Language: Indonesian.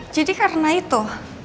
jadi karena itu